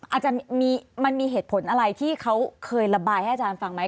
อาจารย์มันมีเหตุผลอะไรที่เขาเคยระบายให้อาจารย์ฟังไหม